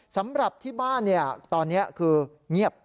สำหรับที่บ้านตอนนี้คือเงียบ